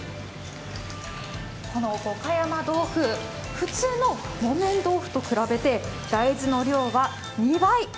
この五箇山とうふ、普通の木綿豆腐と比べて大豆の量は２倍。